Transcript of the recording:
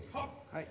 はい。